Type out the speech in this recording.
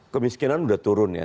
kemiskinan sudah turun ya